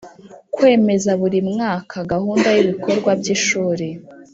Kwemeza buri mwaka gahunda y ibikorwa by Ishuri